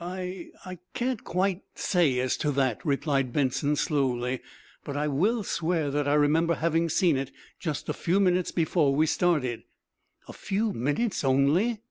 "I I can't quite say as to that," replied Benson, slowly. "But I will swear that I remember having seen it just a few minutes before we started." "A few minutes only?"